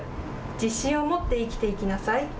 自信を持って生きていきなさい。